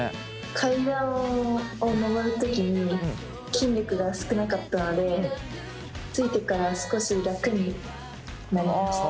階段を上る時に筋力が少なかったのでついてから少し楽になりました。